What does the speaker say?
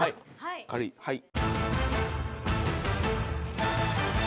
軽いはい。